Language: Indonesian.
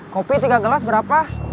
kopi tiga gelas berapa